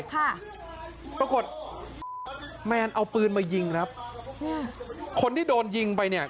ปรากฏแมนเอาปืนมายิงครับคนที่โดนยิงไปเนี่ย